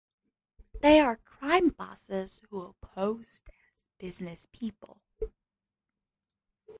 They are crime bosses who posed as businesspeople.